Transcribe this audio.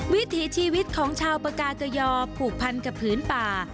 วิถีชีวิตของชาวปากาเกยอผูกพันกับผืนป่า